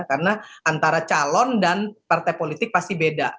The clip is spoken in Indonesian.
karena antara calon dan partai politik pasti beda